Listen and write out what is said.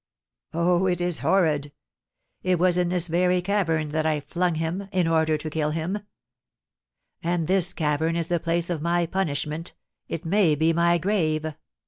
Oh, it is horrid! It was in this very cavern that I flung him, in order to kill him; and this cavern is the place of my punishment, it may be my grave.